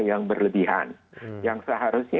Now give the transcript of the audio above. yang berlebihan yang seharusnya